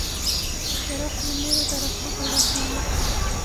درخت له نورو درختو بل رقم و.